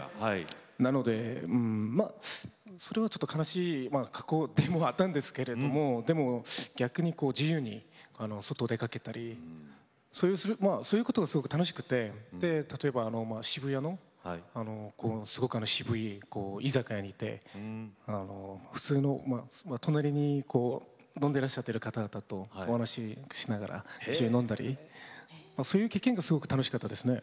なのでうんそれはちょっと悲しい過去でもあったんですけれどもでも逆に自由に外出かけたりそういうことがすごく楽しくて例えば渋谷のすごく渋い居酒屋に行って普通の隣に飲んでらっしゃってる方々とお話ししながら一緒に飲んだりそういう経験がすごく楽しかったですね。